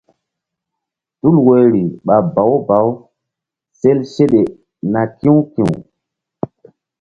Tul woyri ɓa bawu bawu sel seɗe na ki̧w ki̧w.